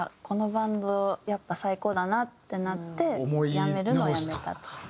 このバンドやっぱ最高だなってなって辞めるのをやめたと。